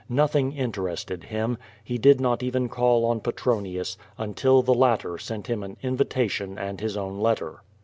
Nothing interested him. He did not even call on Petronius, until the latter sent him an invitation and his own letter.